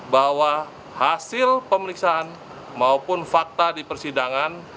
bahwa hasil pemeriksaan maupun fakta di persidangan